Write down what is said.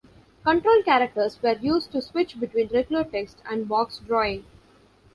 Control characters were used to switch between regular text and box drawing.